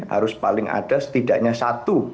harus paling ada setidaknya satu